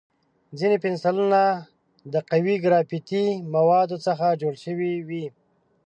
ځینې پنسلونه د قوي ګرافیتي موادو څخه جوړ شوي وي.